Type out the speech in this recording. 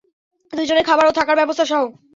দুইজনের খাবার ও থাকার ব্যবস্থাসহ।